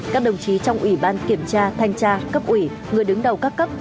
các đồng chí trong ủy ban kiểm tra thanh tra cấp ủy người đứng đầu các cấp